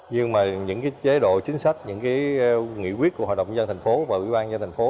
nhưng những chế độ chính sách những nghị quyết của hội đồng dân thành phố và ủy ban dân thành phố